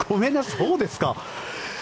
そうですか。